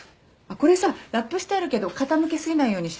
これさラップしてあるけど傾け過ぎないようにして。